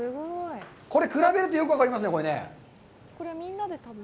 これ、比べるとよく分かりますよね。